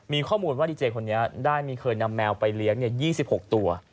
มีข้อมูลว่าดีเจคนนี้ได้เคยนำแมวไปเลี้ยง๒๖ตัว